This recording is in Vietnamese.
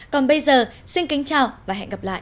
còn bây giờ xin kính chào và hẹn gặp lại